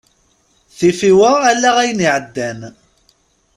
Tifiwa ala ayen iεeddan.